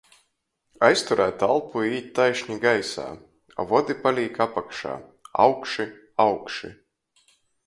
Aizturēt elpu i īt taišni gaisā, a vodi palīk apakšā. Augši, augši.